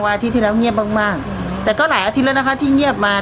อาทิตย์ที่แล้วเงียบมากมากแต่ก็หลายอาทิตย์แล้วนะคะที่เงียบมา